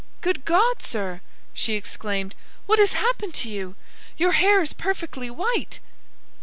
"Good God, sir!" she exclaimed; "what has happened to you? Your hair is perfectly white!"